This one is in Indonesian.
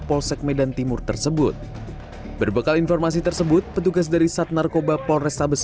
konsek medan timur tersebut berbekal informasi tersebut petugas dari sat narkoba polres sabes